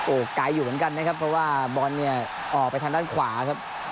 โอ้โหไกลอยู่เหมือนกันนะครับเพราะว่าบอลเนี่ยออกไปทางด้านขวาครับ